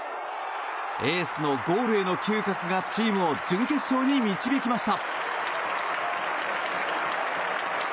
エースのゴールへの嗅覚がチームを準決勝に導きました。